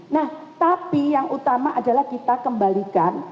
nah tapi yang utama adalah kita kembalikan